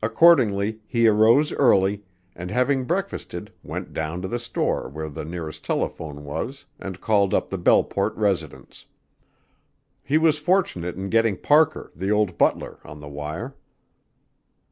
Accordingly he arose early, and having breakfasted went down to the store where the nearest telephone was and called up the Belleport residence. He was fortunate in getting Parker, the old butler, on the wire.